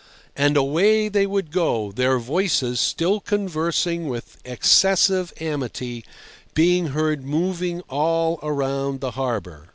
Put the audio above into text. And away they would go, their voices, still conversing with excessive amity, being heard moving all round the harbour.